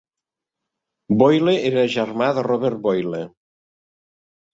Boyle era germà de Robert Boyle.